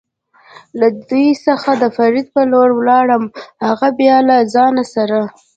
له دوی څخه د فرید په لور ولاړم، هغه بیا له ځان سره.